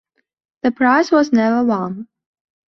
The prize was never won.